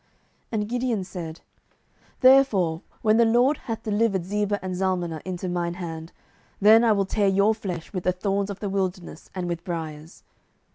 07:008:007 And Gideon said, Therefore when the LORD hath delivered Zebah and Zalmunna into mine hand, then I will tear your flesh with the thorns of the wilderness and with briers.